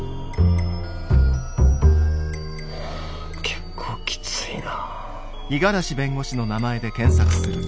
結構きついな。